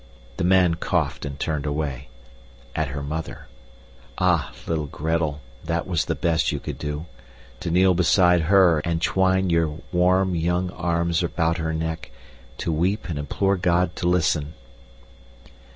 The man coughed and turned away at her mother. Ah, little Gretel, that was the best you could do to kneel beside her and twine your warm, young arms about her neck, to weep and implore God to listen.